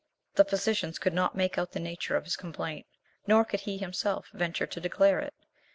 The physicians could not make out the nature of his complaint, nor could he himself venture to declare it.